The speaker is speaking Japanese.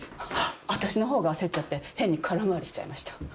あたしの方が焦っちゃって変に空回りしちゃいました。